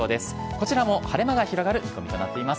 こちらも晴れ間が広がる見込みとなっています。